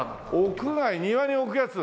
屋外庭に置くやつ！